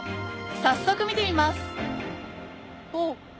早速見てみますおっ。